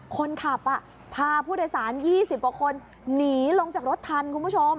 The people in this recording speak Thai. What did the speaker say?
คนขับพาผู้โดยสาร๒๐กว่าคนหนีลงจากรถทันคุณผู้ชม